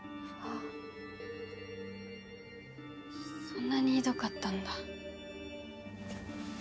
そんなにひどかったんだ